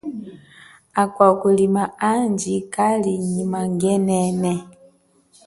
Akwa kulima andji kali nyi mangenene.